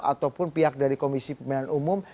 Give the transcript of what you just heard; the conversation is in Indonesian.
ataupun pihak dari komisi pemilihan umum